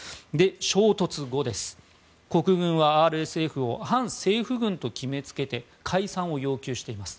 衝突後、国軍はＲＳＦを反政府軍と決めつけて解散を要求しています。